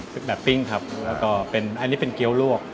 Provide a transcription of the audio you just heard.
เป็นแบบปิ้งครับแล้วก็เป็นอันนี้เป็นเกี้ยวลวก